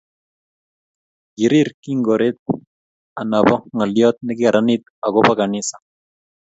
Kirir kingoret anobo ngalyot nekikararanit akobo kanisa